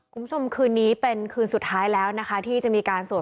คุณผู้ชมคืนนี้เป็นคืนสุดท้ายแล้วนะคะที่จะมีการสวด